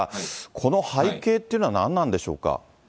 この背景っていうのは何なんでしょうか。